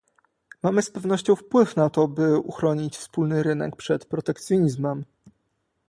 Mamy z pewnością wpływ na to, by uchronić wspólny rynek przed protekcjonizmem